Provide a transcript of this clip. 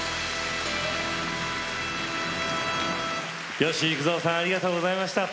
吉幾三さんありがとうございました。